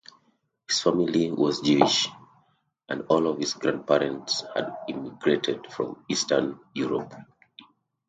His family was Jewish, and all of his grandparents had emigrated from Eastern Europe.